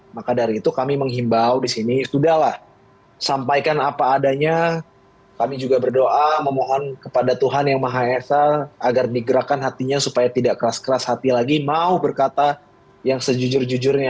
maka dari itu kami menghimbau disini sudahlah sampaikan apa adanya kami juga berdoa memohon kepada tuhan yang maha esa agar digerakkan hatinya supaya tidak keras keras hati lagi mau berkata yang sejujur jujurnya